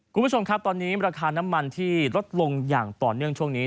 คุณผู้ชมครับตอนนี้ราคาน้ำมันที่ลดลงอย่างต่อเนื่องช่วงนี้